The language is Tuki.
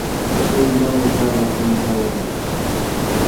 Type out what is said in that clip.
Wa endamú naā nà pandúrâwurrôndô.